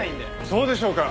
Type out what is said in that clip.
そうでしょうか？